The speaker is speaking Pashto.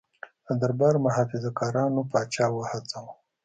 د دربار محافظه کارانو پاچا وهڅاوه.